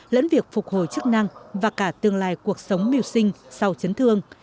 lẫn việc phục hồi chức năng và cả tương lai cuộc sống miêu sinh sau chấn thương